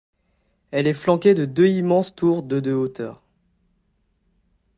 Elle est flanquée de deux immenses tours de de hauteur.